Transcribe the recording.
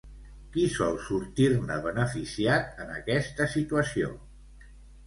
Qui sol sortir-ne beneficiat en aquesta situació?